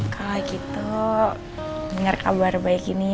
kalau gitu dengar kabar baik ini